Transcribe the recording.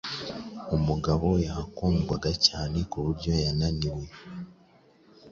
Umugabo yakundwaga cyane kuburyo yananiwe